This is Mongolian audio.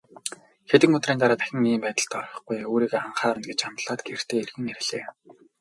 Хэдэн өдрийн дараа дахин ийм байдалд орохгүй, өөрийгөө анхаарна гэж амлаад гэртээ эргэн ирлээ.